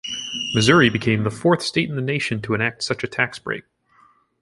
Missouri became the fourth state in the nation to enact such a tax break.